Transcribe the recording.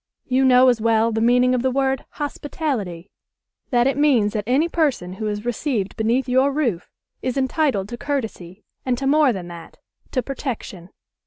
You know as well the meaning of the word 'hospitality'; that it means that any person who is received beneath your roof is entitled to courtesy and to more than that, to protection.